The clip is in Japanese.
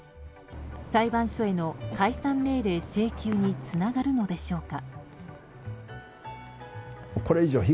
裁判所への解散命令請求につながるのでしょうか。